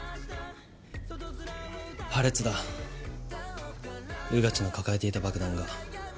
破裂だ穿地の抱えていた爆弾が。